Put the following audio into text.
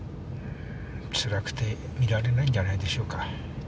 つらくて見られないんじゃないでしょうか。